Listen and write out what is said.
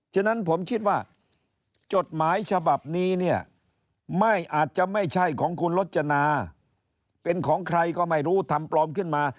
ฉะนั้นผมคิดว่าจดหมายฉบับนี้เนี่ยไม่อาจจะไม่ใช่ของคุณรจนาเป็นของใครก็ไม่รู้ทำปลอมขึ้นมา